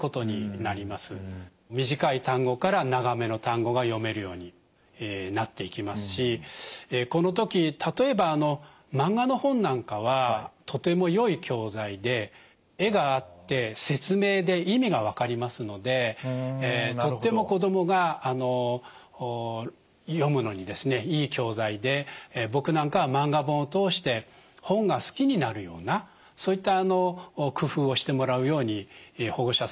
短い単語から長めの単語が読めるようになっていきますしこの時例えばマンガの本なんかはとてもよい教材で絵があって説明で意味が分かりますのでとっても子どもが読むのにいい教材で僕なんかはマンガ本を通して本が好きになるようなそういった工夫をしてもらうように保護者さんにはお話をしています。